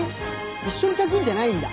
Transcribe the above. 一緒に炊くんじゃないんだ。